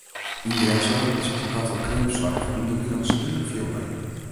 Yn Grinslân is it tekoart oan kreamsoarch ûnderwilens dúdlik fielber.